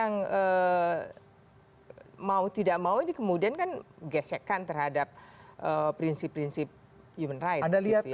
yang mau tidak mau ini kemudian kan gesekan terhadap prinsip prinsip human rights